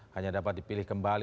hanya dapat dipilih kembali